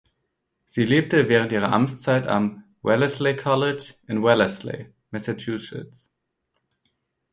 Sie lebte während ihrer Amtszeit am Wellesley College in Wellesley (Massachusetts).